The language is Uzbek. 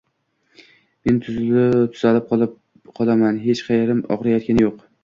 Men tuzalib qolaman, hech qayerim og‘riyotgani yo‘q